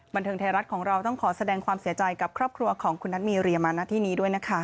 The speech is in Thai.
บันเทิงไทยรัฐของเราต้องขอแสดงความเสียใจกับครอบครัวของคุณนัทมีเรียมาณที่นี้ด้วยนะคะ